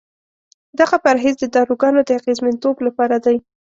دغه پرهیز د داروګانو د اغېزمنتوب لپاره دی.